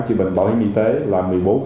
chỉ bệnh bảo hiểm y tế là một mươi bốn